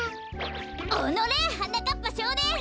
おのれはなかっぱしょうねん！